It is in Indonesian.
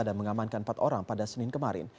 dan mengamankan empat orang pada senin kemarin